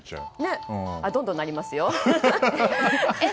どんどん鳴りますよ。